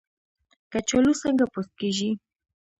کچالو څنګه پوست کیږي؟